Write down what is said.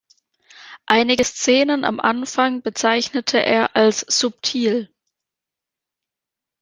Einige Szenen am Anfang bezeichnete er als „subtil“.